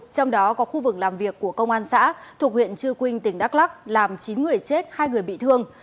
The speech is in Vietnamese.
trong đó có khu vực làm việc của công an xã thuộc huyện trư quynh tỉnh đắk lắc làm chín người chết hai người bị thương